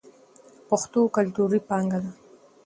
پښتو کلتوري پانګه ده.